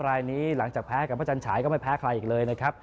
รายนี้หลังจากแพ้กับพระจันฉายก็ไม่แพ้ใครอีกเลยนะครับ